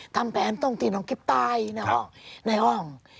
ทำแผนตรงที่นางคลิปใต้ในห้อง